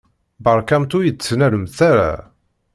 Beṛkamt ur yi-d-ttnalemt ara.